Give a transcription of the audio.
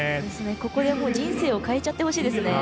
ここで人生を変えちゃってほしいですね。